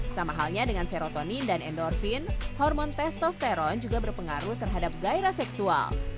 sama halnya dengan serotonin dan endorfin hormon testosteron juga berpengaruh terhadap gairah seksual